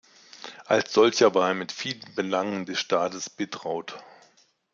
Als solcher war er mit vielen Belangen des Staates betraut.